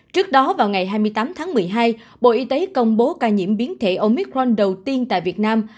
trước đó vào ngày hai mươi tám tháng một mươi hai bộ y tế công bố ca nhiễm biến thể omicron đầu tiên tại việt nam